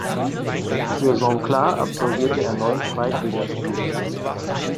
Für Songkhla absolvierte er neun Zweitligaspiele.